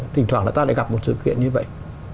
thỉnh thoảng là ta lại gặp một sự kiện như vậy